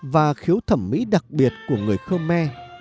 và khiếu thẩm mỹ đặc biệt của người khơ me